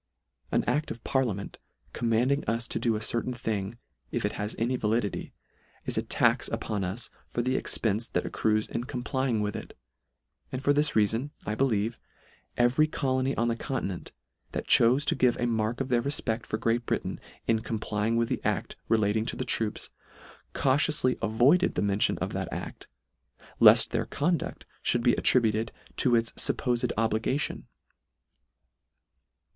An act of parliament commanding us to do a certain thing, if it has any validity, is a tax upon us for the expence that accrues in complying with it, and for this reafon, I believe, every colony on the continent, that chofe to give a mark of their refped: for Great Britain, in complying with the act relating to the troops, cautiouily avoided the mention of that act, left their conduct fhould be attributed to its fuppofed obliga tion.